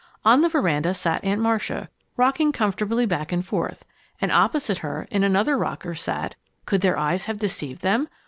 On the veranda sat Aunt Marcia, rocking comfortably back and forth, and opposite her, in another rocker sat could their eyes have deceived them?